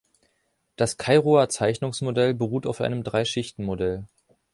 Das Kairoer Zeichnungsmodell beruht auf einem Drei-Schichten-Modell.